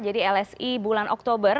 jadi lsi bulan oktober